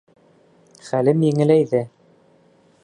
Хәлем еңеләйҙе.